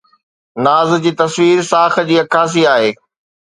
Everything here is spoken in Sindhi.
ناز جي تصوير ساک جي عڪاسي آهي